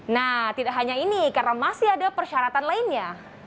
nah tidak hanya ini karena masih ada persyaratan lainnya